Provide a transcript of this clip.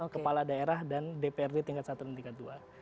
kepala daerah dan dprd tingkat satu dan tingkat dua